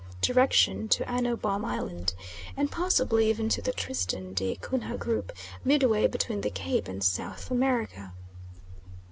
direction to Anno Bom island, and possibly even to the Tristan da Cunha group midway between the Cape and South America.